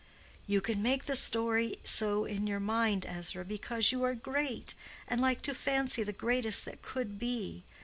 "You can make the story so in your mind, Ezra, because you are great, and like to fancy the greatest that could be.